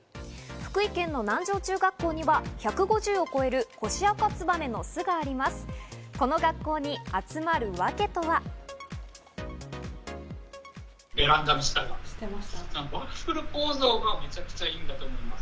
福井県の南条中学校には１５０を超えるコシアカツバメの巣があります。